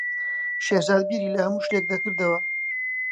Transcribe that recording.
شێرزاد بیری لە هەموو شتێک دەکردەوە.